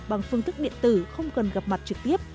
bằng phương thức điện tử không cần gặp mặt trực tiếp